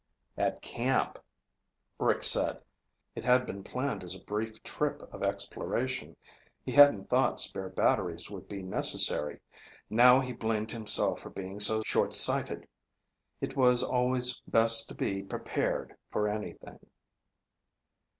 "At camp," Rick said. It had been planned as a brief trip of exploration. He hadn't thought spare batteries would be necessary. Now he blamed himself for being so shortsighted. It was always best to be prepared for anything.